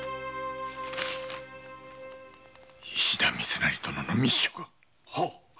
石田三成殿の密書が‼はっ。